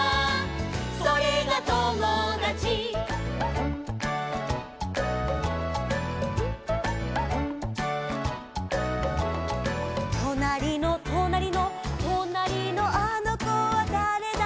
「それがともだち」「となりのとなりの」「となりのあのこはだれだろう」